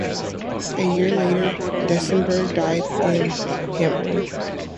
A year later, Duesterberg died in Hamelin.